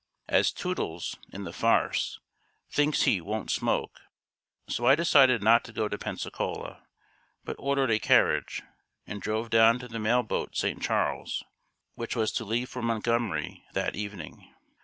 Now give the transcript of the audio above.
As Toodles, in the farce, thinks he "won't smoke," so I decided not to go to Pensacola; but ordered a carriage, and drove down to the mail boat St. Charles, which was to leave for Montgomery that evening.